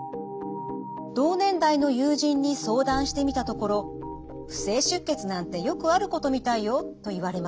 同年代の友人に相談してみたところ「不正出血なんてよくあることみたいよ」と言われました。